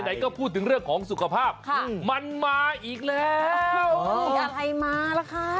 ไหนก็พูดถึงเรื่องของสุขภาพมันมาอีกแล้วยังไงมาล่ะคะ